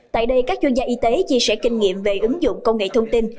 tại đây các chuyên gia y tế chia sẻ kinh nghiệm về ứng dụng công nghệ thông tin